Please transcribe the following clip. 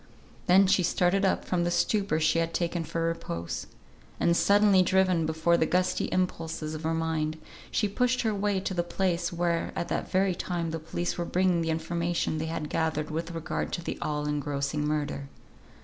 Then she started up from the stupor she had taken for repose; and suddenly driven before the gusty impulses of her mind, she pushed her way to the place where at that very time the police were bringing the information they had gathered with regard to the all engrossing murder.